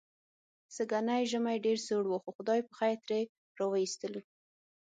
سږنی ژمی ډېر سوړ و، خو خدای پخېر ترې را و ایستلو.